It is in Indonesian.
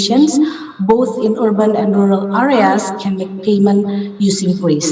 sekaligus di kawasan urban dan rural dapat membuat uang melalui kriz